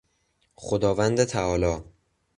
خداوند تعالی